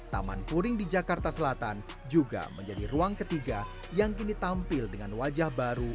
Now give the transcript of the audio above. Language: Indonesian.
taman puring di jakarta selatan juga menjadi ruang ketiga yang kini tampil dengan wajah baru